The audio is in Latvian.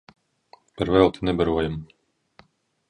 Par velti nebarojam.